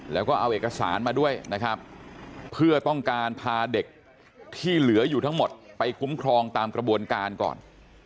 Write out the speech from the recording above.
แล้วก็เอาเอกสารมาด้วยนะครับเพื่อต้องการพาเด็กที่เหลืออยู่ทั้งหมดไปคุ้มครองตามกระบวนการก่อน